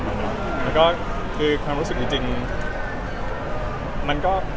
แล้วก็คือความรู้สึก